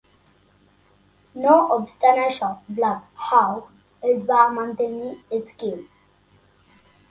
No obstant això, Black Hawk es va mantenir esquiu.